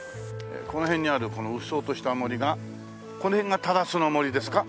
この辺にあるこのうっそうとした森がこの辺が糺の森ですか？